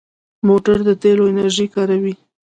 موټر د تېلو انرژي کاروي.